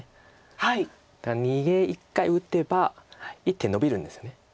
だから逃げ１回打てば１手ノビるんですよね。